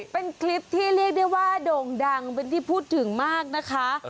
เป็นคลิปที่เรียกได้ว่าโด่งดังเป็นที่พูดถึงมากนะคะ